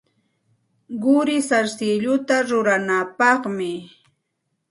Quri sarsilluta ruranapaqmi.